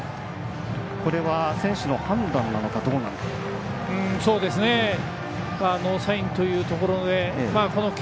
これは、選手の判断なのかどうなのか。